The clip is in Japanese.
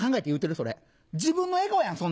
それ自分のエゴやん！